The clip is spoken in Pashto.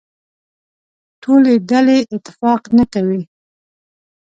ټولې ډلې اتفاق نه کوي.